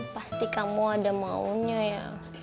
pasti kamu ada maunya ya